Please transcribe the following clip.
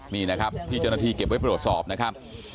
มีนะครับที่จนทีเก็บไว้โปรสอบนะครับ